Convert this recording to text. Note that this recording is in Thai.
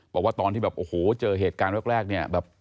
บอกว่าตอนที่เจอเหตุการณ์แรกแบบ